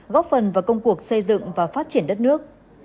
góp phần vào công cuộc xây dựng và phát triển đất nước